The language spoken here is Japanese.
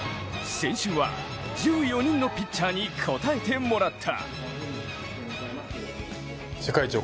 先週は、１４人のピッチャーに答えてもらった。